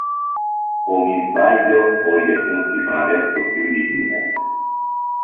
O mi sbaglio o i defunti sono adesso più di due!